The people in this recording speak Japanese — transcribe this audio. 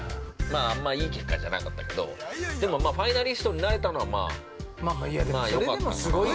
あんま、いい結果じゃなかったけど、でもファイナリストになれたのはまあよかったのかなと。